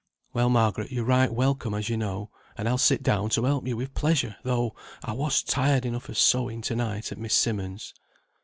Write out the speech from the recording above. "Well, Margaret, you're right welcome as you know, and I'll sit down and help you with pleasure, though I was tired enough of sewing to night at Miss Simmonds'."